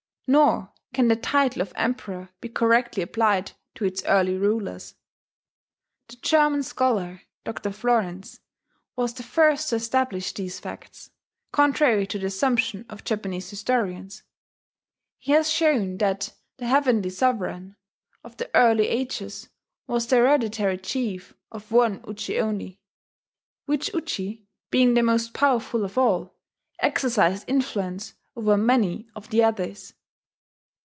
Nor can the title of Emperor be correctly applied to its early rulers. The German scholar, Dr. Florenz, was the first to establish these facts, contrary to the assumption of Japanese historians. He has shown that the "heavenly sovereign" of the early ages was the hereditary chief of one Uji only, which Uji, being the most powerful of all, exercised influence over many of the others.